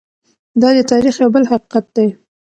دا د تاریخ یو بل حقیقت دی.